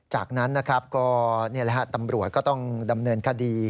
จากนั้นนะครับตำรวจก็ต้องดำเนินคดี